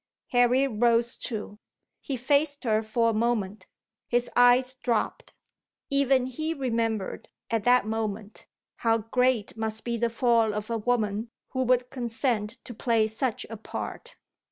Harry rose too. He faced her for a moment. His eyes dropped. Even he remembered, at that moment, how great must be the fall of a woman who would consent to play such a part.